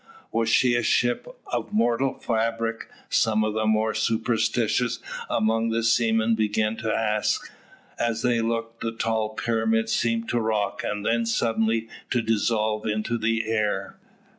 "Was she a ship of mortal fabric?" some of the more superstitious among the seamen began to ask. As they looked, the tall pyramid seemed to rock, and then suddenly to dissolve into the air.